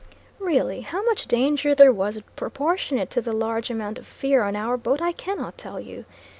Really how much danger there was proportionate to the large amount of fear on our boat I cannot tell you.